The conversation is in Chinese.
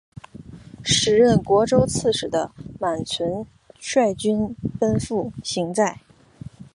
时任虢州刺史的满存率军奔赴行在。